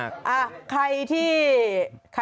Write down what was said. สวัสดีค่ะ